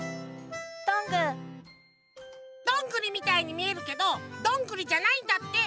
どんぐりみたいにみえるけどどんぐりじゃないんだって。